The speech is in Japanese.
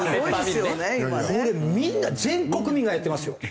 これみんな全国民がやってますよ。